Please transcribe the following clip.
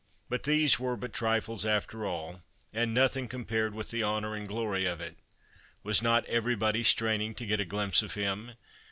But these were but trifles after all, and nothing compared with the honour and glory of it! Was not everybody straining to get a glimpse of him?